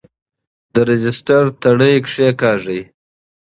د رجسټر تڼۍ کیکاږئ.